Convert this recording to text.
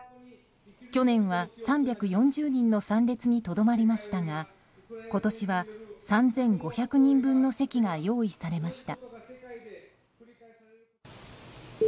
去年は３４０人の参列にとどまりましたが今年は３５００人分の席が用意されました。